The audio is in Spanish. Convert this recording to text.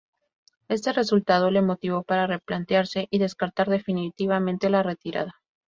Este resultado le motivó para replantearse y descartar definitivamente la retirada.